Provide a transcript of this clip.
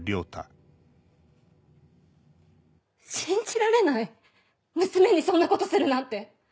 信じられない娘にそんなことするなんて。